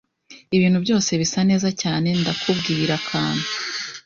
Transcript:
Ibintu byose bisa neza cyane ndakubwira akantu